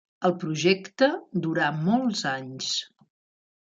El projecte durà molts anys.